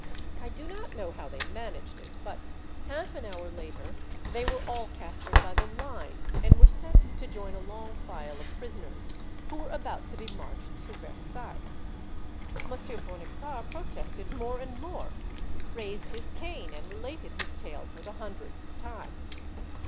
I do not know how they managed it, but half an hour later they were all captured by the Line, and were sent to join a long file of prisoners who were about to be marched to Versailles. M. Bonnicar protested more and more, raised his cane, and related his tale for the hundredth time.